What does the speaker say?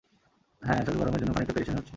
হ্যা, শুধু গরমের জন্য খানিকটা পেরেশানি হচ্ছে।